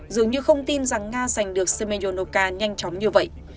dường như không tin rằng nga giành được semenoca nhanh chóng như vậy